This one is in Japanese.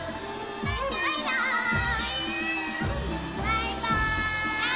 バイバーイ！